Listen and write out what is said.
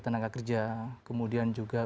tenaga kerja kemudian juga